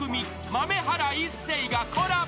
豆原一成がコラボ］